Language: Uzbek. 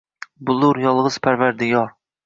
Bilur yolg’iz parvardigor —